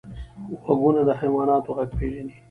غوږونه د حیواناتو غږ پېژني